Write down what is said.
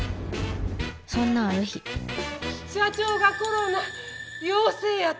そんなある日社長がコロナ陽性やて。